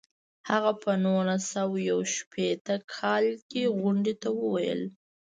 هغه په نولس سوه یو شپیته کال کې غونډې ته وویل.